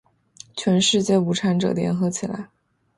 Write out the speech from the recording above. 全世界无产者，联合起来！